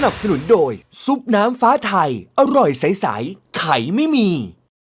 สนุนโดยซุปน้ำฟ้าไทยอร่อยใสไข่ไม่มี